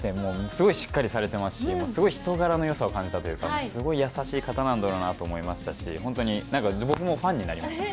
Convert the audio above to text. すごいしっかりされてますしすごい人柄のよさを感じたというか、すごい優しい方なんだなと感じましたし、ホントに僕もファンになりました。